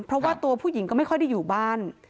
เพราะว่าตัวผู้หญิงก็ไม่ค่อยได้อยู่บ้าน